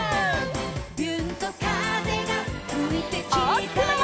「びゅーんと風がふいてきたよ」